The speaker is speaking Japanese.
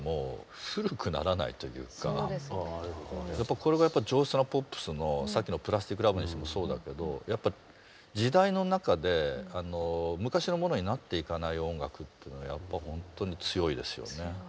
これがやっぱ上質なポップスのさっきの「プラスティック・ラブ」にしてもそうだけどやっぱ時代の中で昔のものになっていかない音楽っていうのはやっぱほんとに強いですよね。